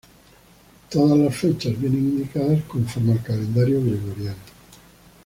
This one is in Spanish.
Todas las fechas vienen indicadas conforme al calendario gregoriano.